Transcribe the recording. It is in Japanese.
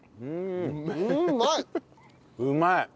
うまい！